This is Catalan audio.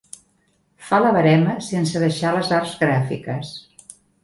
Fa la verema sense deixar les arts gràfiques.